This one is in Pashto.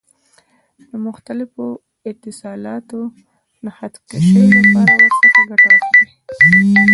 د مختلفو اتصالاتو د خط کشۍ لپاره ورڅخه ګټه اخلي.